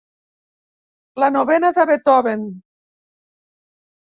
La novena de Beethoven.